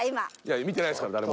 見てないですから誰も。